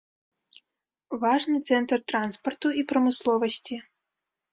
Важны цэнтр транспарту і прамысловасці.